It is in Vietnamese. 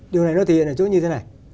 điều này nó thể hiện ở chỗ như thế này